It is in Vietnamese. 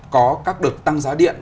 có các đợt tăng giá điện